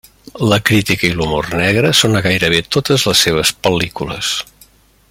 La crítica i l'humor negre són a gairebé totes les seves pel·lícules.